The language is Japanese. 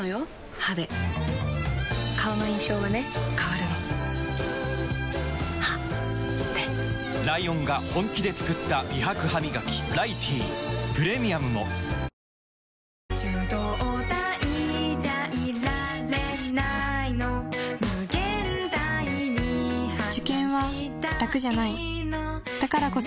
歯で顔の印象はね変わるの歯でライオンが本気で作った美白ハミガキ「ライティー」プレミアムもこのシャツくさいよ。